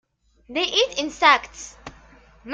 They eat insects.